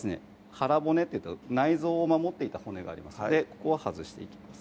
腹骨っていう内臓を守っていた骨がありますのでここは外していきます